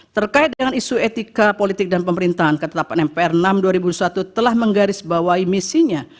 terkait dengan isu etika politik dan pemerintahan ketetapan mpr enam dua ribu satu telah menggarisbawahi misinya